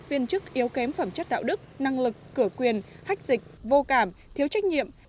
viên chức yếu kém phẩm chất đạo đức năng lực cửa quyền hách dịch vô cảm thiếu trách nhiệm